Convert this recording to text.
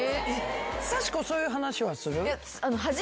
さしこそういう話はする？